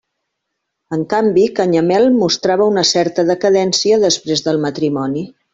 En canvi, Canyamel mostrava una certa decadència després del matrimoni.